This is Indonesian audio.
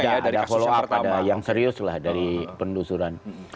ada follow up ada yang serius lah dari penelusuran